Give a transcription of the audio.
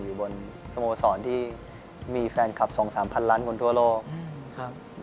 อยู่บนสโมสรที่มีแฟนคลับสองสามพันล้านคนทั่วโลกครับ